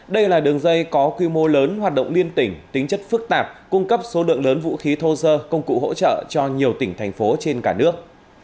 đây là đường dây có quy mô lớn hoạt động liên tỉnh tính chất phức tạp cung cấp số lượng lớn vũ khí thô sơ công cụ hỗ trợ cho nhiều tỉnh thành phố trên cả nước